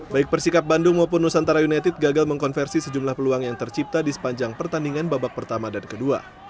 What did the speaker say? baik persikap bandung maupun nusantara united gagal mengkonversi sejumlah peluang yang tercipta di sepanjang pertandingan babak pertama dan kedua